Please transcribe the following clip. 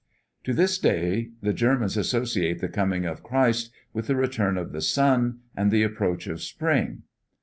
To this day the Germans associate the coming of Christ with the return of the sun, and the approach of spring.